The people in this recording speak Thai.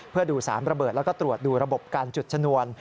เพื่อดูสารระเบิดแล้วก็ตรวจดูระบบการจุดชนวน